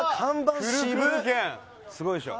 すごいでしょ？